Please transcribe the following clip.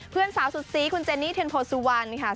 เพื่อนสาวสุดซีคุณเจนี่เทนโพสุวรรณค่ะ